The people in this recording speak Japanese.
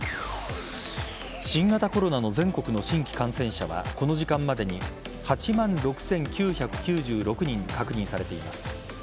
新型コロナの全国の新規感染者はこの時間までに８万６９９６人確認されています。